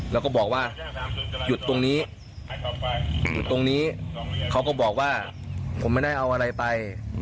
แล้วก็บอกว่าหยุดตรงนี้หยุดตรงนี้เขาก็บอกว่าผมไม่ได้เอาอะไรไป